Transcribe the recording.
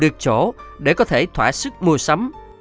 chỗ để có thể thỏa sức mua sắm